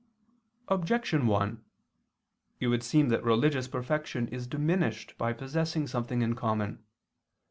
Objection 1: It would seem that religious perfection is diminished by possessing something in common.